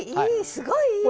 すごいいいそれ。